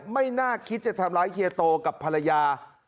ไม่น่าคิดจะทำร้ายเฮียโตกับภรรยา